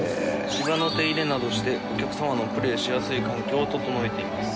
芝の手入れなどをしてお客様のプレーしやすい環境を整えています。